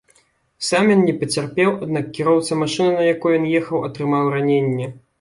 Сам ён не пацярпеў, аднак кіроўца машыны, на якой ён ехаў, атрымаў раненне.